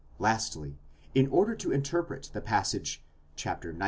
Lastly, in order to interpret the passage xix.